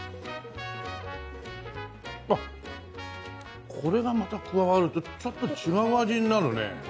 あっこれがまた加わるとちょっと違う味になるね。